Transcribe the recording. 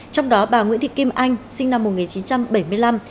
trong đó bà nguyễn thị kim anh sinh năm một nghìn chín trăm bảy mươi năm